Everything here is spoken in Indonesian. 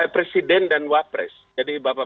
presiden dan wapres jadi bapak